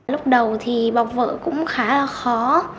lúc đầu thì bọc vở cũng khá là khó